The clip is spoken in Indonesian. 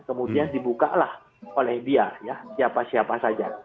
kemudian dibuka lah oleh dia ya siapa siapa saja